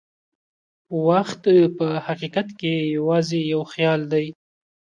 وخت په حقیقت کې یوازې یو خیال دی.